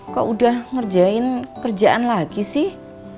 kok udah ngerjain kerjaan lagi sih